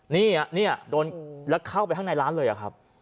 นี่อ่ะนี่อ่ะโดนแล้วเข้าไปข้างในร้านเลยอ่ะครับ